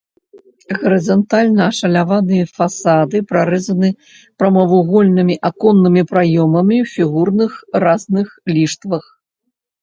Гарызантальна ашаляваныя фасады прарэзаны прамавугольнымі аконнымі праёмамі ў фігурных разных ліштвах.